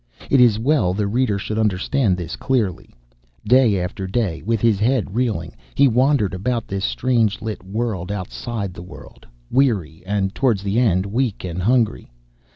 It is well the reader should understand this clearly. Day after day, with his head reeling, he wandered about this strange lit world outside the world, weary and, towards the end, weak and hungry.